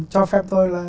cho phép tôi là